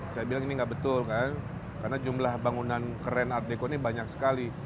saya bilang ini nggak betul kan karena jumlah bangunan keren art deko ini banyak sekali